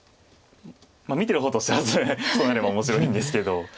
見てる方としてはそうなれば面白いんですけど。